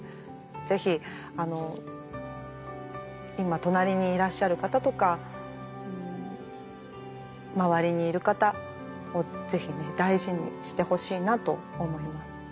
ぜひ今隣にいらっしゃる方とか周りにいる方をぜひね大事にしてほしいなと思います。